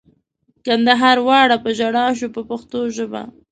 کندهار واړه په ژړا شو په پښتو ژبه.